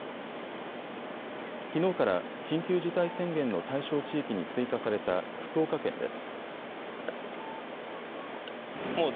きのうから緊急事態宣言の対象地域に追加された福岡県です。